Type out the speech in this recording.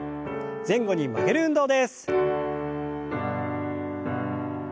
前後に曲げる運動です。